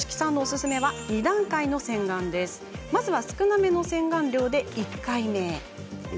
まずは少なめの洗顔料で１回目。